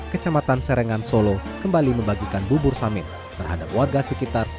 kecamatan serengan solo kembali membagikan bubur samit terhadap warga sekitar